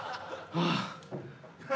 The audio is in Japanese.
ああ。